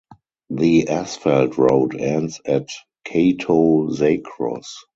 The asphalt road ends at Kato Zakros.